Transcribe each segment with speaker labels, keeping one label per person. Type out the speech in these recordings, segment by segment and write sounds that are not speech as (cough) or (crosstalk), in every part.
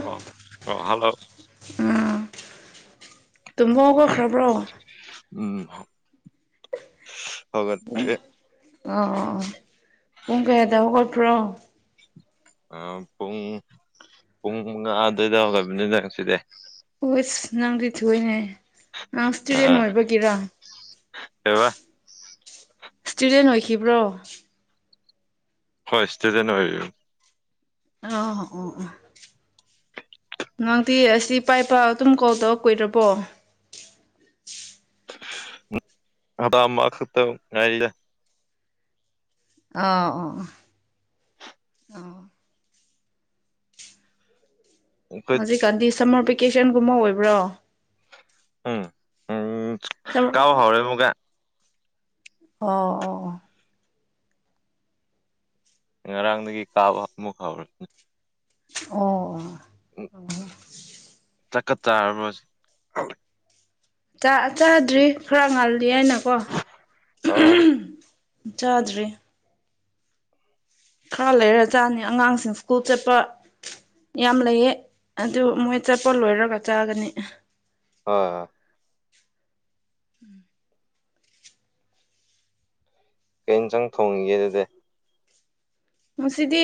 Speaker 1: ꯑꯣ ꯑꯣ ꯍꯜꯂꯣ
Speaker 2: ꯎꯝ ꯇꯨꯝꯕ ꯍꯧꯒꯠ ꯈ꯭ꯔꯥꯕ꯭ꯔꯣ
Speaker 1: ꯎꯝ ꯍꯧ
Speaker 2: ꯄꯨꯡ
Speaker 1: ꯍꯧꯒꯠꯊ꯭ꯔꯦ
Speaker 2: ꯑꯣ ꯄꯨꯡ ꯀꯌꯥꯗ ꯍꯧꯒꯠꯄ꯭ꯔꯣ
Speaker 1: ꯑꯥ ꯄꯨꯡ ꯄꯨꯡ ꯃꯉꯥ ꯑꯗꯨꯋꯥꯏꯗ ꯍꯧꯒꯠꯄꯅꯤꯅꯦ ꯉꯁꯤꯗꯤ
Speaker 2: ꯎꯁ ꯅꯪꯗꯤ ꯊꯨꯏꯋꯦꯅꯦ ꯅꯪ ꯁ꯭ꯨꯇꯗꯦꯟ
Speaker 1: ꯑꯥ
Speaker 2: ꯑꯣꯏꯕꯒꯤꯔ
Speaker 1: ꯀꯩꯕ
Speaker 2: ꯏꯁ꯭ꯇꯨꯗꯦꯟ ꯑꯣꯏꯈꯤꯕ꯭ꯔꯣ
Speaker 1: ꯍꯣꯏ ꯏꯁꯇꯨꯗꯦꯟ ꯑꯣꯏꯔꯤ
Speaker 2: ꯑꯣꯍꯣ ꯑꯣ ꯑꯣ ꯅꯪꯗꯤ ꯑꯁꯤ ꯄꯥꯏꯄꯥ ꯑꯗꯨꯝ ꯀꯣꯜ ꯇꯧꯋ ꯀꯨꯏꯔꯕꯣ
Speaker 1: ꯑꯕꯥ ꯑꯃ ꯈꯛꯇ ꯉꯥꯏꯔꯤꯌꯦ
Speaker 2: ꯑꯥ ꯑꯣ ꯑꯣ
Speaker 1: ꯑꯩꯈꯣꯏ
Speaker 2: ꯍꯧꯖꯤꯛꯀꯥꯟꯗꯤ ꯁꯝꯃꯔ ꯚꯦꯀꯦꯁꯟꯒꯨꯝꯕ ꯑꯣꯏꯕ꯭ꯔꯣ
Speaker 1: ꯎꯝ ꯎꯝ
Speaker 2: ꯁꯃꯔ
Speaker 1: ꯀꯥꯕ ꯍꯥꯎꯔꯦ ꯈꯣꯡꯒꯦ
Speaker 2: ꯑꯣ ꯑꯣ ꯑꯣ
Speaker 1: ꯉꯔꯥꯡꯗꯒꯤ ꯀꯥꯕ ꯑꯃꯨꯛ ꯍꯧꯔꯦꯅꯦ
Speaker 2: ꯑꯣ ꯑꯣ
Speaker 1: ꯎꯝ ꯆꯥꯥꯛꯀꯥ ꯆꯥꯔꯥꯕꯣꯁ
Speaker 2: ꯆꯥ ꯆꯥꯗ꯭ꯔꯤ ꯈꯔꯥ ꯉꯜꯂꯤꯌꯥꯏꯅꯀꯣ
Speaker 1: ꯑꯣ
Speaker 2: ꯆꯥꯗ꯭ꯔꯤ ꯈꯔꯥ ꯂꯩꯔꯥ ꯆꯥꯅꯤ ꯑꯉꯥꯡꯁꯤꯡ ꯁ꯭ꯀꯨꯜ ꯆꯠꯄ ꯌꯥꯝ ꯂꯩꯌꯦ ꯑꯗꯨ ꯃꯣꯏ ꯆꯠꯄ ꯂꯣꯏꯔꯥꯒ ꯆꯥꯒꯅꯤ
Speaker 1: ꯑꯥ
Speaker 2: ꯎꯝ
Speaker 1: ꯀꯩꯟꯖꯥꯡ ꯊꯣꯡꯉꯤꯒꯦ ꯑꯗꯨꯗꯤ
Speaker 2: ꯉꯁꯤꯗꯤ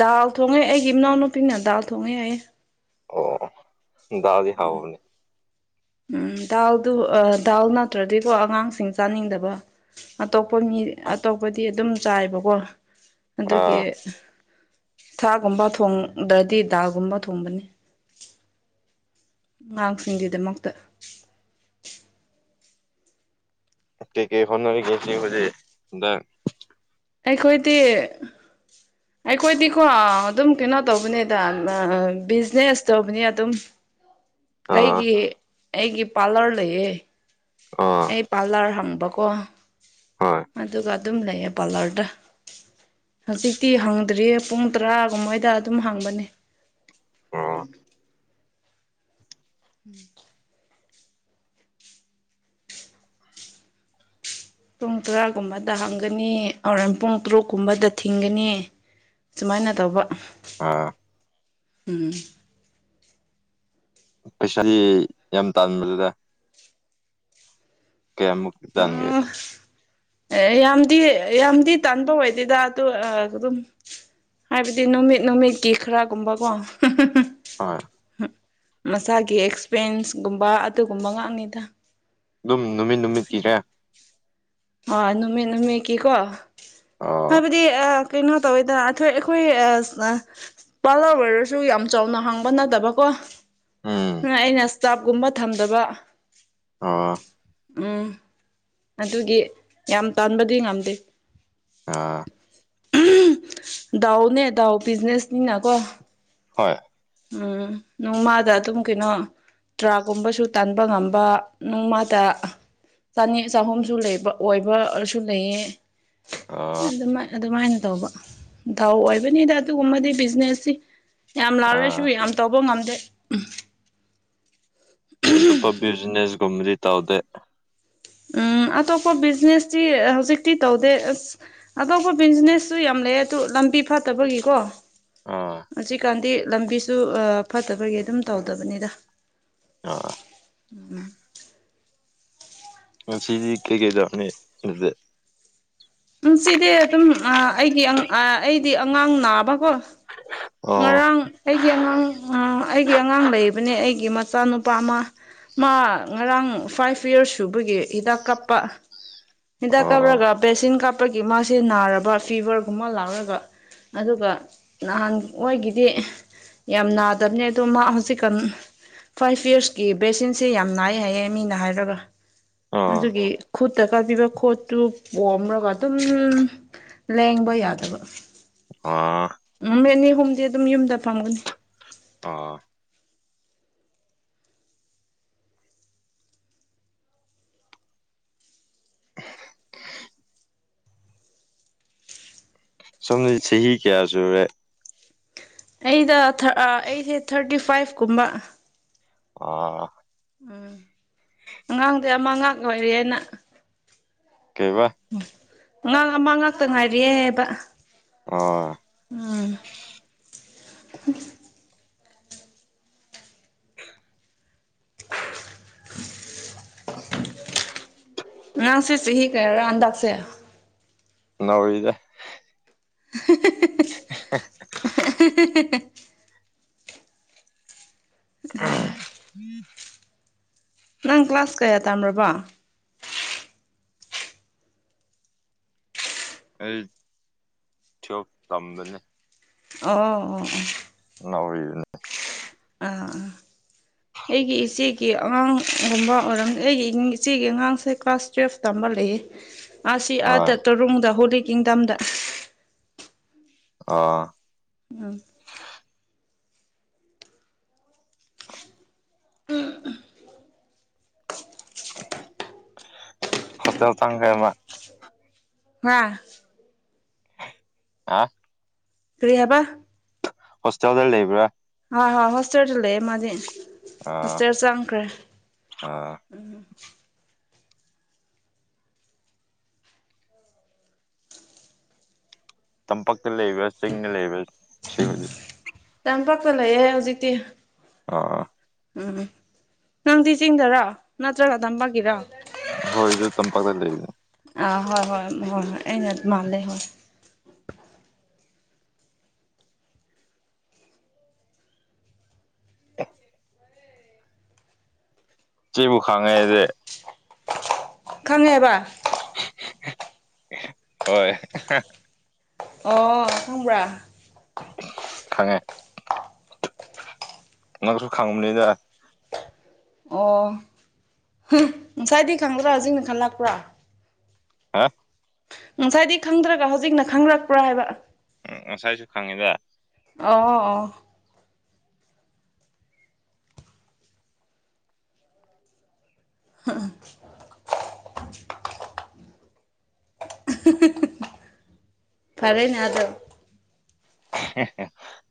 Speaker 2: ꯗꯥꯜ ꯊꯣꯡꯉꯦ ꯑꯩꯒꯤ ꯏꯅꯥꯎꯅꯨꯄꯤꯅ ꯗꯥꯜ ꯊꯣꯡꯉꯦ ꯍꯥꯏꯌꯦ
Speaker 1: ꯑꯣ ꯗꯥꯜ ꯗꯤ ꯍꯥꯎꯕꯅꯤ
Speaker 2: ꯎꯝ ꯗꯥꯜꯗꯨ ꯑꯥ ꯗꯥꯜ ꯅꯠꯇ꯭ꯔꯗꯤꯀꯣ ꯑꯉꯥꯡꯁꯤꯡ ꯆꯥꯅꯤꯡꯗꯥꯕ ꯑꯇꯣꯞꯄꯥ ꯃꯤ ꯑꯇꯣꯞꯄꯗꯤ ꯑꯗꯨꯝ ꯆꯥꯏꯕꯀꯣ ꯑꯗꯨꯒꯤ
Speaker 1: ꯑꯥ
Speaker 2: ꯊꯥꯒꯨꯝꯕ ꯊꯣꯡꯗ꯭ꯔꯥꯗꯤ ꯗꯥꯜꯒꯨꯝꯕ ꯊꯣꯡꯕꯅꯤ ꯑꯉꯥꯡ ꯁꯤꯡꯒꯤ ꯗꯥꯃꯛꯇꯥ
Speaker 1: ꯀꯩ ꯀꯩ ꯍꯣꯠꯅꯥꯔꯤꯒꯦ ꯍꯧꯖꯤꯛ ꯗꯛ
Speaker 2: ꯑꯩꯈꯣꯏꯗꯤ
Speaker 1: (inaudible)
Speaker 2: ꯑꯩꯈꯣꯏꯗꯤꯀꯣ ꯑꯗꯨꯝ ꯀꯩꯅꯣ ꯇꯧꯕꯅꯦꯗ ꯕꯤꯖꯤꯅꯦꯁ ꯇꯧꯕꯅꯦ ꯑꯗꯨꯝ
Speaker 1: (inaudible) ꯑꯥ
Speaker 2: ꯑꯩꯒꯤ ꯑꯩꯒꯤ ꯄꯥꯂꯔ ꯂꯩꯌꯦ
Speaker 1: ꯑꯥ
Speaker 2: ꯄꯥꯂꯔ ꯍꯥꯡꯕꯀꯣ
Speaker 1: ꯍꯣꯏ
Speaker 2: ꯑꯗꯨꯒꯥ ꯑꯗꯨꯝ ꯂꯩꯌꯦꯕ ꯄꯥꯂꯔꯗꯥ ꯍꯧꯖꯤꯛꯇꯤ ꯍꯥꯡꯗ꯭ꯔꯤꯌꯦ ꯄꯨꯡ ꯇꯔꯥꯒꯨꯝꯃꯣꯏꯗ ꯑꯗꯨꯝ ꯍꯥꯡꯕꯅꯦ
Speaker 1: ꯑꯣ
Speaker 2: (unintelligible) ꯄꯨꯡ ꯇꯔꯥꯒꯨꯝꯕꯥꯗ ꯍꯥꯡꯒꯅꯤ ꯍꯣꯔꯦꯟ ꯄꯨꯡ ꯇꯔꯨꯛ ꯀꯨꯝꯕꯥꯗ ꯊꯤꯡꯒꯅꯤ ꯁꯨꯃꯥꯏꯅ ꯇꯧꯕ
Speaker 1: ꯑꯥ
Speaker 2: ꯎꯝ
Speaker 1: ꯄꯩꯁꯥꯗꯤ ꯌꯥꯝ ꯇꯥꯟꯕꯅꯤꯗ ꯀꯌꯥ ꯃꯨꯛꯇꯤ ꯇꯥꯟꯒꯦ
Speaker 2: ꯑꯥ ꯑꯦ ꯌꯥꯝꯗꯤ ꯌꯥꯝꯗꯤ ꯇꯥꯟꯕ ꯑꯣꯏꯗꯦꯗ ꯑꯗꯨ ꯑꯗꯨꯝ ꯍꯥꯏꯕꯗꯤ ꯅꯨꯃꯤꯠ ꯅꯨꯃꯤꯠꯀꯤ ꯈꯔꯥꯒꯨꯝꯕꯀꯣ ꯍꯥꯍꯥ
Speaker 1: ꯍꯣꯏ
Speaker 2: ꯃꯁꯥꯒꯤ ꯑꯦꯛꯁꯄꯦꯟꯁ ꯒꯨꯝꯕꯥ ꯑꯗꯨꯒꯨꯝꯕ ꯉꯥꯛꯅꯤꯗ
Speaker 1: ꯑꯗꯨꯝ ꯅꯨꯃꯤꯠ ꯅꯨꯃꯤꯠꯀꯤꯔ
Speaker 2: ꯑꯥ ꯅꯨꯃꯤꯠ ꯅꯨꯃꯤꯠ ꯀꯤꯀꯣ
Speaker 1: ꯑꯣ
Speaker 2: ꯍꯥꯏꯕꯗꯤ ꯑꯥ ꯀꯩꯅꯣ ꯇꯧꯋꯤꯗꯥ ꯑꯊꯣꯏ ꯑꯈꯣꯏ ꯑꯁ ꯑꯥ ꯄꯥꯂꯔ ꯑꯣꯏꯔꯁꯨ ꯌꯥꯝ ꯆꯥꯎꯅ ꯍꯥꯡꯕ ꯅꯠꯇꯥꯕꯀꯣ
Speaker 1: ꯎꯝ
Speaker 2: ꯑꯗꯨꯅ ꯑꯩꯅ ꯁꯇꯥꯞ ꯀꯨꯝꯕ ꯊꯝꯗꯥꯕ
Speaker 1: ꯑꯣ
Speaker 2: ꯎꯝ ꯑꯗꯨꯒꯤ ꯌꯥꯝ ꯇꯥꯟꯕꯗꯤ ꯉꯝꯗꯦ
Speaker 1: ꯑꯥ
Speaker 2: ꯑꯍꯝ ꯗꯥꯎꯅꯦ ꯗꯥꯎ ꯕꯤꯖꯤꯅꯦꯁ ꯅꯤꯅꯥꯀꯣ
Speaker 1: ꯍꯣꯏ
Speaker 2: ꯎꯝ ꯅꯣꯡꯃꯥꯗ ꯑꯗꯨꯝ ꯀꯩꯅꯣ ꯇ꯭ꯔꯥꯒꯨꯝꯕꯁꯨ ꯇꯟꯕ ꯉꯝꯕꯥ ꯅꯣꯡꯃꯥꯗ ꯆꯅꯤ ꯆꯥꯍꯨꯝꯁꯨ ꯂꯩꯕ ꯑꯣꯏꯕꯁꯨ ꯂꯩꯌꯦ
Speaker 1: ꯑꯥ
Speaker 2: ꯑꯗꯨꯃꯥꯏ ꯑꯗꯨꯃꯥꯏꯅ ꯇꯧꯕ ꯗꯥꯎ ꯑꯣꯏꯕꯅꯤꯗ ꯑꯗꯨꯒꯨꯝꯕꯗꯤ ꯕꯤꯖꯤꯅꯦꯁꯇꯤ ꯌꯥꯝ ꯂꯥꯛꯔꯁꯨ
Speaker 1: ꯑꯥ
Speaker 2: ꯌꯥꯝ ꯇꯧꯕ ꯉꯝꯗꯦ
Speaker 1: ꯑꯇꯣꯞ ꯕꯤꯖꯅꯦꯁ ꯒꯨꯝꯕꯗꯤ ꯇꯧꯗꯦ
Speaker 2: ꯎꯝ ꯑꯇꯣꯞꯄ ꯕꯤꯖꯤꯅꯦꯁꯇꯤ ꯍꯧꯖꯤꯛꯇꯤ ꯇꯧꯗꯦ ꯑꯁ ꯑꯇꯣꯞꯄ ꯕꯤꯖꯤꯅꯦꯁꯁꯨ ꯌꯥꯝ ꯂꯩꯌꯦ ꯑꯗꯨ ꯂꯝꯕꯤ ꯐꯠꯇꯕꯒꯤꯀꯣ
Speaker 1: ꯑꯥ
Speaker 2: ꯍꯧꯖꯤꯛꯀꯥꯟꯗꯤ ꯂꯝꯕꯤꯁꯨ ꯑꯥ ꯐꯠꯇꯕꯒꯤ ꯑꯗꯨꯝ ꯇꯧꯗꯕꯅꯤꯗ
Speaker 1: ꯑꯥ
Speaker 2: ꯎꯝ
Speaker 1: ꯉꯥꯁꯤꯗꯤ ꯀꯩꯀꯩꯗꯧꯅꯤ ꯑꯗꯨꯗꯤ
Speaker 2: ꯅꯨꯡꯁꯤꯗꯦ ꯑꯗꯨꯝ ꯑꯥ ꯑꯩꯒꯤ ꯑꯪ ꯑꯥ ꯑꯩꯗꯤ ꯑꯉꯥꯡ ꯅꯥꯕꯀꯣ
Speaker 1: ꯑꯣ
Speaker 2: ꯉꯔꯥꯡ ꯑꯩꯒꯤ ꯑꯉꯥꯡ ꯑꯥ ꯑꯩꯒꯤ ꯑꯉꯥꯡ ꯂꯩꯕꯅꯦ ꯑꯩꯒꯤ ꯃꯆꯥꯅꯨꯄꯥ ꯑꯃ ꯃꯥ ꯉꯔꯥꯡ ꯐꯥꯏꯚ ꯌꯔꯁ ꯁꯨꯕꯒꯤ ꯍꯤꯗꯥꯛ ꯀꯥꯞꯄ ꯍꯤꯗꯥꯛ
Speaker 1: ꯑꯣ
Speaker 2: ꯀꯞꯔꯒ ꯄꯦꯁꯤꯟ ꯀꯞ ꯍꯥꯞꯄꯒꯤ ꯃꯥꯁꯦ ꯅꯥꯔꯕ ꯐꯤꯕꯔꯒꯨꯝꯕ ꯂꯥꯛꯔꯒ ꯑꯗꯨꯒ ꯅꯍꯥꯟ ꯑꯣꯏꯒꯤꯗꯤ ꯌꯥꯝ ꯅꯥꯗꯕꯅꯦ ꯑꯗꯣ ꯃꯥ ꯍꯧꯖꯤꯛ ꯐꯥꯏꯚ ꯌꯔꯁꯀꯤ ꯕꯦꯁꯤꯟꯁꯦ ꯌꯥꯝ ꯅꯥꯏ ꯍꯥꯏꯌꯦ ꯃꯤꯅ ꯍꯥꯏꯔꯒ
Speaker 1: ꯑꯣ
Speaker 2: ꯑꯗꯨꯒꯤ ꯈꯨꯠꯇ ꯀꯥꯄꯤꯕ ꯈꯣꯠꯇꯨ ꯑꯣꯝꯔꯒ ꯑꯗꯨꯝ ꯂꯦꯡꯕ ꯌꯥꯗꯕ
Speaker 1: ꯑꯥ
Speaker 2: ꯎꯝ ꯃꯦꯅꯤ ꯒꯨꯝꯗꯤ ꯑꯗꯨꯝ ꯌꯨꯝꯗ ꯐꯪꯒꯅꯤ
Speaker 1: ꯑ (inaudible) ꯁꯣꯝꯁꯤ ꯆꯍꯤ ꯀꯌꯥ ꯁꯨꯔꯦ
Speaker 2: ꯑꯩꯗꯣ ꯊꯔ ꯑꯥ ꯑꯩꯁꯦ ꯊꯥꯔꯇꯤ ꯐꯥꯏꯚ ꯀꯨꯝꯕ
Speaker 1: ꯑꯥ
Speaker 2: ꯎꯝ ꯑꯉꯥꯡꯗꯤ ꯑꯃ ꯉꯥꯛ ꯂꯣꯏꯔꯦꯅ
Speaker 1: ꯀꯩꯕ
Speaker 2: ꯎꯝ ꯅꯪ ꯑꯃꯥ ꯉꯥꯛꯇ ꯉꯥꯏꯔꯤꯑꯦ ꯍꯥꯏꯕ
Speaker 1: ꯑꯥ
Speaker 2: ꯎꯝ
Speaker 1: (inaudible) (inaudible)
Speaker 2: ꯅꯪꯁꯦ ꯆꯍꯤ ꯀꯌꯥꯔꯥ ꯍꯟꯗꯛꯁꯦ
Speaker 1: ꯅꯧꯔꯤꯗꯥ
Speaker 2: ꯍ
Speaker 1: (inaudible)
Speaker 2: (inaudible)
Speaker 1: ꯎ
Speaker 2: ꯅꯪ ꯀ꯭ꯂꯥꯁ ꯀꯌꯥ ꯇꯥꯝꯔꯕ
Speaker 1: ꯑꯩ (unintelligible) ꯊꯝꯗꯅꯤ
Speaker 2: ꯑꯥ ꯑꯣ ꯑꯣ ꯑꯣ
Speaker 1: ꯅꯧꯔꯤꯅꯦ
Speaker 2: ꯑꯥꯥ ꯑꯩꯒꯤ ꯏꯆꯦ ꯀꯦ ꯑꯉꯥꯡꯒꯨꯝꯕ ꯑꯣꯏꯔꯝ ꯑꯩꯒꯤ ꯏꯕꯨꯡꯒꯤ ꯏꯆꯦꯒꯤ ꯑꯉꯥꯡꯁꯦ ꯀ꯭ꯂꯥꯁ ꯇꯨꯌꯦꯜꯐ ꯇꯝꯕ ꯂꯩ ꯃꯥꯁꯤ ꯑꯥꯗ
Speaker 1: ꯍꯣꯏ
Speaker 2: ꯇꯔꯨꯡꯗ ꯍꯣꯂꯤꯛ ꯀꯤꯡꯗꯝꯗ
Speaker 1: ꯑꯥ
Speaker 2: ꯎꯝ
Speaker 1: ꯍꯣꯁꯇꯦꯜ ꯆꯪꯒ꯭ꯔꯦꯕꯥ
Speaker 2: (unintelligible)
Speaker 1: ꯑꯥ
Speaker 2: ꯀꯔꯤ ꯍꯥꯏꯕ
Speaker 1: ꯍꯣꯁꯇꯦꯜ ꯂ ꯂꯩꯕ꯭ꯔꯥ
Speaker 2: ꯍꯣꯏ ꯍꯣꯏ ꯍꯣꯁꯇꯦꯜꯗ ꯂꯩꯑꯦ ꯃꯥꯗꯤ
Speaker 1: ꯑꯥ
Speaker 2: ꯍꯣꯁꯇꯦꯜ ꯆꯪꯈ꯭ꯔꯦ
Speaker 1: ꯑꯥ
Speaker 2: ꯎꯝ
Speaker 1: ꯇꯝꯄꯥꯛꯇ ꯂꯩꯕ ꯆꯤꯡꯗ ꯂꯩꯕ ꯁꯤꯕꯨꯗꯤ
Speaker 2: ꯇꯝꯄꯥꯛꯄ ꯂꯩꯌꯦ ꯍꯧꯖꯤꯛꯇꯤ
Speaker 1: ꯑꯣ ꯑꯣ
Speaker 2: ꯎꯝ ꯅꯪꯗꯤ ꯆꯤꯡꯗꯔꯣ ꯅꯠꯇ꯭ꯔꯒ ꯇꯝꯄꯥꯛꯒꯤꯔꯣ
Speaker 1: ꯑꯈꯣꯏꯖꯨ ꯇꯝꯄꯥꯛꯇ ꯂꯩꯕꯅꯦ
Speaker 2: ꯑꯥ ꯍꯣꯏ ꯍꯣꯏ ꯍꯣꯏ ꯍꯣꯏ ꯑꯩꯅꯠ ꯃꯥꯜꯂꯦ ꯍꯣꯏ
Speaker 1: ꯆꯦꯕꯨ ꯈꯪꯉꯦ ꯑꯩꯗꯤ
Speaker 2: ꯈꯪꯉꯦ ꯍꯥꯏꯕ
Speaker 1: ꯍꯣꯏ
Speaker 2: ꯑꯣ ꯈꯪꯕ꯭ꯔꯥ
Speaker 1: ꯈꯪꯉꯦ ꯅꯪꯁꯨ ꯈꯪꯕꯅꯤꯗ
Speaker 2: ꯑꯣ ꯉꯁꯥꯏꯗꯤ ꯈꯪꯗ꯭ꯔꯥ ꯍꯧꯖꯤꯛꯅ ꯈꯜꯂꯛꯄ꯭ꯔꯥ
Speaker 1: ꯍꯥ
Speaker 2: ꯉꯁꯥꯏꯗꯤ ꯈꯪꯗ꯭ꯔꯒ ꯍꯧꯖꯤꯛꯅ ꯈꯪꯔꯛꯄ꯭ꯔꯥ ꯍꯥꯏꯕ
Speaker 1: ꯎꯪ ꯉꯁꯥꯏꯁꯨ ꯈꯪꯉꯤꯗ
Speaker 2: ꯑꯣ ꯍꯣ ꯑꯣ (unintelligible) ꯐꯔꯦꯅꯦ ꯑꯗꯣ
Speaker 1: (unintelligible)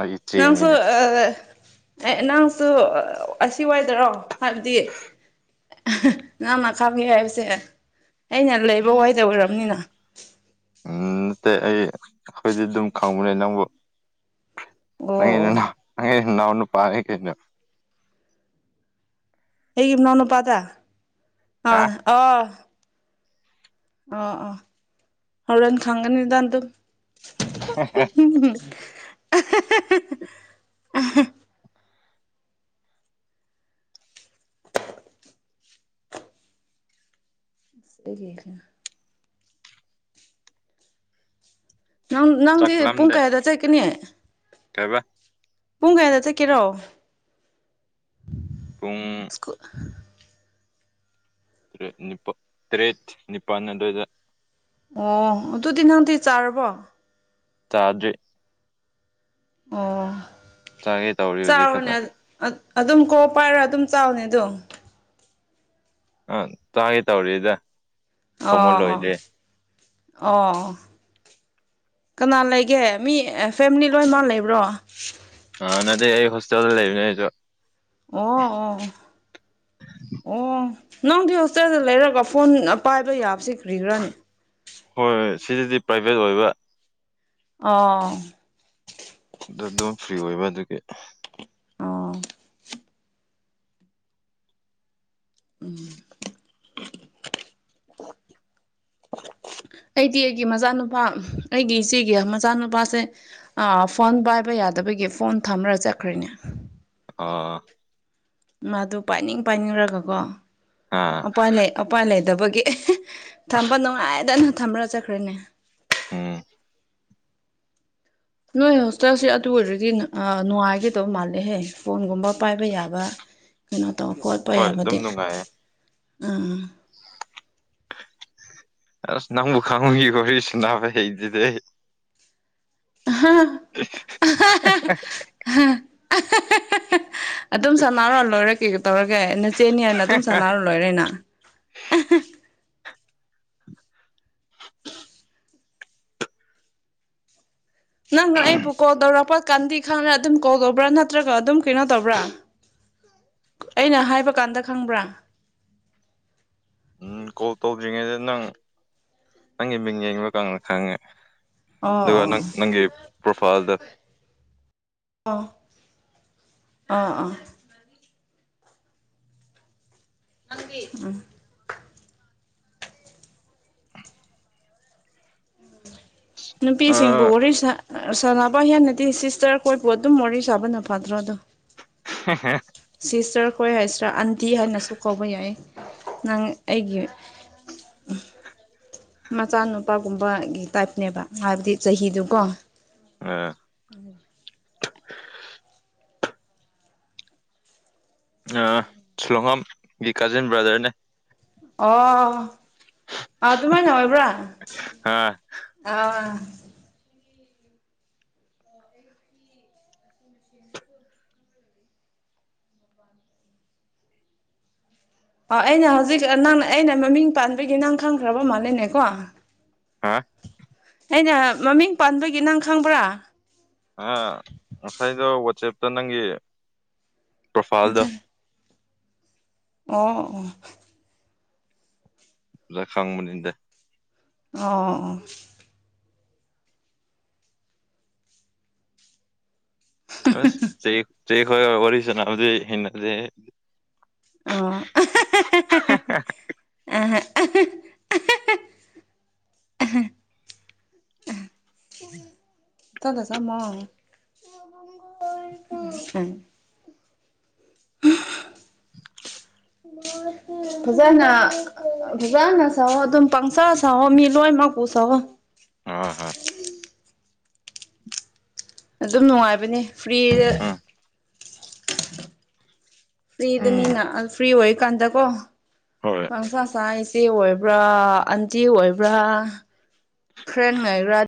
Speaker 1: ꯑꯩ
Speaker 2: ꯅꯪꯁꯨ
Speaker 1: ꯏꯆꯦꯅꯤꯅꯦ
Speaker 2: ꯑꯦ ꯅꯪꯁꯨ ꯑꯁꯤ ꯋꯥꯏꯗꯔꯣ ꯍꯥꯏꯕꯗꯤ ꯅꯪꯅ ꯈꯪꯉꯦ ꯍꯥꯏꯕꯁꯦ ꯑꯩꯅ ꯂꯩꯕ ꯋꯥꯏꯗ ꯑꯣꯏꯔꯕꯅꯤꯅ
Speaker 1: ꯎꯝ ꯅꯠꯇꯦ ꯑꯩ ꯑꯩꯈꯣꯏꯗꯤ ꯑꯗꯨꯝ ꯈꯪꯕꯅꯦ ꯅꯪꯕꯨ
Speaker 2: ꯑꯣ
Speaker 1: ꯅꯪꯒꯤ
Speaker 2: ꯑꯣ
Speaker 1: ꯅꯅꯥꯎ ꯅꯪꯒꯤ ꯅꯅꯥꯎ ꯅꯨꯄꯥꯅꯦ ꯀꯩꯅꯣ
Speaker 2: ꯑꯩꯒꯤ ꯃꯅꯥꯎꯅꯨꯄꯥꯗ
Speaker 1: ꯍꯥ
Speaker 2: ꯑꯥꯟ ꯑꯣꯑꯣ ꯑꯣ ꯑꯣ ꯍꯧꯔꯦꯟ ꯈꯪꯒꯅꯤꯗꯥ ꯑꯗꯨ
Speaker 1: (unintelligible)
Speaker 2: (unintelligible) ꯁꯤꯗꯒꯤ ꯅꯪ ꯅꯪꯗꯤ ꯄꯨꯡ
Speaker 1: ꯆꯥꯛꯂꯝꯗꯦ
Speaker 2: ꯀꯌꯥꯗ ꯆꯠꯀꯅꯤ
Speaker 1: ꯀꯩꯕ
Speaker 2: ꯄꯨꯡ ꯀꯌꯥꯗ ꯆꯠꯀꯦꯔꯣ
Speaker 1: ꯄꯨꯡ
Speaker 2: ꯁ꯭ꯀꯨꯠ
Speaker 1: ꯇ꯭ꯔꯦꯠ ꯅꯤꯄꯥꯛ ꯇ꯭ꯔꯦꯠ ꯅꯤꯄꯥꯜ ꯑꯗꯥꯏꯗ
Speaker 2: ꯑꯣ ꯑꯗꯨꯗꯤ ꯅꯪꯗꯤ ꯆꯥꯔꯕꯣ
Speaker 1: ꯇꯥꯗ꯭ꯔꯤ
Speaker 2: ꯑꯣ
Speaker 1: ꯆꯥꯒꯦ ꯇꯧꯔꯤ ꯍꯧꯖꯤꯛ
Speaker 2: ꯆꯥꯔꯣꯅꯦ
Speaker 1: ꯈꯛꯇ
Speaker 2: ꯑꯠ ꯑꯗꯨꯝ ꯀꯣꯜ‌ ꯄꯥꯏꯔ ꯑꯗꯨꯝ ꯆꯥꯎꯅꯦ ꯑꯗꯨ
Speaker 1: ꯑ ꯆꯥꯒꯦ ꯇꯧꯔꯤꯏꯗ
Speaker 2: ꯑꯣ ꯑꯣ ꯑꯣ ꯑꯣ ꯑꯣ ꯑꯣ ꯀꯅꯥ ꯂꯩꯒꯦ ꯃꯤ ꯑꯦ ꯐꯦꯃꯤꯂꯤ ꯂꯣꯏꯃꯛ ꯂꯩꯕ꯭ꯔꯣ
Speaker 1: ꯑ ꯅꯗꯦ ꯑꯩ ꯍꯣꯁꯇꯦꯜꯗ ꯂꯩꯕꯅꯦ ꯑꯖꯨ
Speaker 2: ꯑꯣ ꯑꯣ ꯑꯣ ꯑꯣ ꯅꯪꯗꯤ ꯍꯣꯁꯇꯦꯜꯗ ꯂꯩꯔꯒ ꯐꯣꯟ ꯄꯥꯏꯕ ꯌꯥꯕꯁꯤ ꯀ꯭ꯔꯤꯒꯤꯔꯅꯦ
Speaker 1: ꯍꯣꯏ ꯁꯤꯗꯗꯤ ꯄ꯭ꯔꯥꯏꯚꯦꯠ ꯑꯣꯏꯕ
Speaker 2: ꯑꯥꯎ
Speaker 1: ꯑꯗꯨ ꯑꯗꯨꯝ ꯐ꯭ꯔꯤ ꯑꯣꯏꯕ ꯑꯗꯨꯒꯤ
Speaker 2: ꯑꯣ ꯎꯝ ꯑꯩꯗꯤ ꯑꯩꯒꯤ ꯃꯆꯥꯅꯨꯄꯥ ꯑꯩꯒꯤ ꯏꯆꯦꯒꯤ ꯃꯆꯥꯅꯨꯄꯥꯁꯦ ꯥ ꯐꯣꯟ ꯄꯥꯏꯕ ꯌꯥꯗꯕꯒꯤ ꯐꯣꯟ ꯊꯝꯃ ꯆꯠꯈ꯭ꯔꯦꯅꯦ
Speaker 1: ꯑꯥ
Speaker 2: ꯃꯥꯗꯨ ꯄꯥꯏꯅꯤꯡ ꯄꯥꯏꯅꯤꯡꯒꯀꯣ
Speaker 1: ꯑꯥ
Speaker 2: ꯑꯄꯥꯏ ꯎꯄꯥꯏ ꯂꯩꯗꯕꯒꯤ ꯊꯝꯕ ꯅꯨꯡꯉꯥꯏꯗꯅ ꯊꯝꯕ꯭ꯔꯥ ꯆꯠꯈ꯭ꯔꯦꯅꯦ
Speaker 1: ꯎꯝ
Speaker 2: ꯅꯣꯏ ꯍꯣꯁꯇꯦꯜꯁꯦ ꯑꯗꯨ ꯑꯣꯏꯔꯗꯤ ꯅꯨꯡꯉꯥꯏꯒꯗꯕ ꯃꯥꯜꯂꯦꯍꯦ ꯐꯣꯟꯒꯨꯝꯕ ꯄꯥꯏꯕ ꯌꯥꯕ ꯀꯩꯅꯣ ꯇꯧꯕ ꯈꯣꯠꯄ
Speaker 1: ꯍꯣꯏ ꯑꯗꯨꯝ
Speaker 2: ꯌꯥꯕꯗꯤ
Speaker 1: ꯅꯨꯡꯉꯥꯏꯌꯦ
Speaker 2: ꯑꯥ
Speaker 1: ꯑꯁ ꯅꯪꯃꯨ ꯈꯥꯃꯨꯒꯤꯁꯤꯅꯕ ꯍꯗꯤꯗ
Speaker 2: (unintelligible) ꯑꯗꯨꯝ ꯁꯥꯟꯅꯔꯛ ꯂꯣꯏꯔꯦ ꯀꯩꯀꯩ ꯇꯧꯔꯒꯦ ꯅꯆꯦꯅꯤ ꯍꯥꯏꯅ ꯑꯗꯨꯝ ꯁꯥꯟꯅꯔ ꯂꯣꯏꯔꯦꯅ ꯅꯪꯅ ꯑꯩꯕꯨ ꯀꯣꯜ ꯇꯧꯔꯛꯄ ꯀꯥꯟꯗꯤ ꯈꯪꯉꯦ ꯑꯗꯨꯝ ꯀꯣꯜ ꯇꯧꯕ꯭ꯔꯥ ꯅꯠꯇ꯭ꯔꯒ ꯑꯗꯨꯝ ꯀꯩꯅꯣ ꯇꯧꯕ꯭ꯔꯥ ꯑꯩꯅ ꯍꯥꯏꯕ ꯀꯥꯟꯗ ꯈꯪꯕ꯭ꯔꯥ
Speaker 1: ꯎꯝ ꯀꯣꯜ ꯇꯧꯗ꯭ꯔꯤꯉꯩꯗ ꯅꯪ ꯅꯪꯒꯤ ꯃꯤꯡ ꯌꯦꯡꯕꯀꯗ ꯈꯪꯉꯦ ꯑꯗꯨꯒ
Speaker 2: ꯑꯣ
Speaker 1: ꯅꯪ ꯅꯪꯒꯤ ꯄ꯭ꯔꯣꯐꯥꯏꯜꯗ
Speaker 2: ꯑꯥ ꯑꯥ ꯑꯥ (unintelligible) ꯅꯨꯄꯤꯁꯤꯡꯕꯨ
Speaker 1: ꯑꯥ
Speaker 2: ꯋꯥꯔꯤ ꯁꯥꯟꯅꯕ ꯍꯦꯟꯅꯗꯤ ꯁꯤꯁꯇꯔꯈꯣꯏꯕꯨ ꯑꯗꯨꯝ ꯋꯥꯔꯤ ꯁꯥꯕꯅ ꯐꯗ꯭ꯔꯣ ꯑꯗꯣ
Speaker 1: (unintelligible)
Speaker 2: ꯁꯤꯁꯇꯔꯈꯣꯏ ꯍꯥꯏꯁꯇꯔ ꯑꯟꯇꯤ ꯍꯥꯏꯅꯁꯨ ꯀꯧꯕ ꯌꯥꯏꯌꯦ ꯅꯪ ꯑꯩꯒꯤ ꯃꯆꯥꯅꯨꯄꯥꯒꯨꯝꯕꯒꯤ ꯇꯥꯏꯞꯅꯦꯕ ꯍꯥꯏꯕꯗꯤ ꯆꯍꯤꯗꯨꯀꯣ
Speaker 1: ꯑꯥ
Speaker 2: (unintelligible)
Speaker 1: ꯑꯥ ꯁꯨꯂꯣꯡꯉꯝꯒꯤ ꯀꯥꯖꯤꯟ ꯕ꯭ꯔꯗꯔꯅꯦ
Speaker 2: ꯑꯣ ꯑꯇꯨꯃꯥꯏ ꯅ ꯑꯣꯏꯕꯔ
Speaker 1: ꯑꯥ
Speaker 2: ꯑꯥ (inaudible) ꯑꯣ ꯑꯩꯅ ꯍꯧꯖꯤꯛ ꯅꯪ ꯑꯩꯅ ꯃꯃꯤꯡ ꯄꯥꯟꯕꯒꯤ ꯅꯪ ꯈꯪꯈ꯭ꯔꯕ ꯃꯥꯂꯦꯅꯦꯀꯣ
Speaker 1: ꯍꯥꯥ
Speaker 2: ꯑꯩꯅ ꯃꯃꯤꯡ ꯄꯥꯟꯕꯒꯤ ꯅꯪ ꯈꯪꯕ꯭ꯔꯥ
Speaker 1: ꯉꯁꯥꯏꯗꯣ ꯋꯥꯆꯦꯞꯇ ꯅꯪꯒꯤ ꯄ꯭ꯔꯣꯐꯥꯏꯜꯗꯣ
Speaker 2: ꯑꯣ ꯑꯣ
Speaker 1: ꯑꯗꯨꯗ ꯈꯪꯕꯅꯤꯗ
Speaker 2: ꯑꯣ
Speaker 1: ꯑꯁ ꯆꯦꯛ ꯆꯦꯛ ꯈꯔꯒ ꯋꯥꯔꯤ ꯁꯥꯟꯅꯕꯗꯤ ꯍꯦꯟꯅꯗꯦ ꯍꯦ
Speaker 2: ꯑꯣ (unintelligible) (unintelligible) (unintelligible)
Speaker 1: (unintelligible)
Speaker 2: (unintelligible) ꯐꯖꯅ ꯐꯖꯅ ꯁꯋꯣ ꯑꯗꯨꯝ ꯄꯪꯁꯥ ꯁꯑꯣ ꯃꯤ ꯂꯣꯏꯅꯃꯛꯄꯨ ꯁꯥꯋꯣ
Speaker 1: ꯍꯣꯏ ꯍꯣꯏ
Speaker 2: ꯑꯗꯨꯝ ꯅꯨꯡꯉꯥꯏꯕꯅꯦ ꯐ꯭ꯔꯤꯗ
Speaker 1: ꯎꯝ ꯎꯝ
Speaker 2: ꯐ꯭ꯔꯤꯗꯅꯤꯅ ꯐ꯭ꯔꯤ ꯑꯣꯏꯀꯥꯟꯗꯀꯣ
Speaker 1: ꯍꯣꯏ
Speaker 2: ꯡꯪ ꯁꯥ ꯁꯥꯏ ꯏꯆꯦ ꯑꯣꯏꯕ꯭ꯔꯥ ꯑꯟꯇꯤ ꯑꯣꯏꯕ꯭ꯔꯥ ꯐ꯭ꯔꯦꯟ ꯑꯣꯏꯕ꯭ꯔꯥ